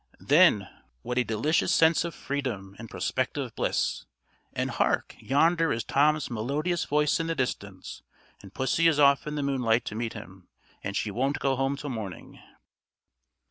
Then what a delicious sense of freedom and prospective bliss! And, hark! yonder is Tom's melodious voice in the distance, and pussy is off in the moonlight to meet him, and she "won't go home till morning."